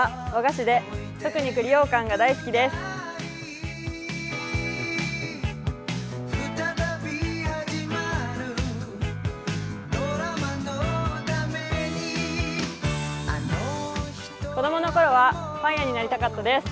子供のころはパン屋になりたかったです。